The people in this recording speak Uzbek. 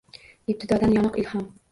Ibtidodan yoniq ilhom